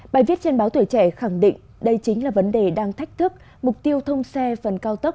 bài viết trên báo tuổi trẻ khẳng định đây chính là vấn đề đang thách thức mục tiêu thông xe phần cao tốc